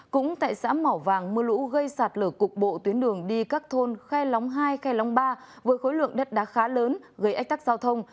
cũng tại xã mỏ vàng mưa lũ gây sạt lở cục bộ tuyến đường đi các thôn khe lóng hai khe lóng ba với khối lượng đất đá khá lớn gây ách tắc giao thông